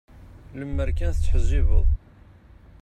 Lemmer kan tettḥezzibeḍ.